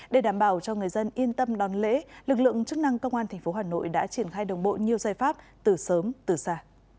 để đảm bảo cho người dân yên tâm đón lễ lực lượng chức năng công an tp hà nội đã triển khai đồng bộ nhiều giải pháp từ sớm từ xa